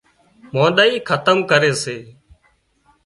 مانۮائي کتم ڪري سي